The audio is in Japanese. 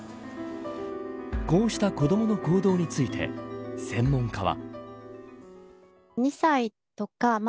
こうした子どもの行動について専門家は。